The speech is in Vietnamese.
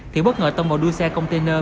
thì bất ngờ tâm mồ đua xe container